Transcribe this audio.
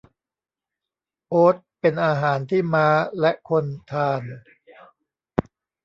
โอ๊ตเป็นอาหารที่ม้าและคนทาน